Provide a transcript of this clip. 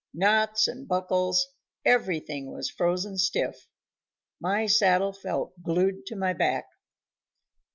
Knots and buckles, everything was frozen stiff; my saddle felt glued to my back.